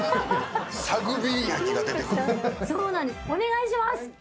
お願いします。